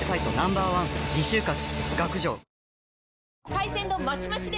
海鮮丼マシマシで！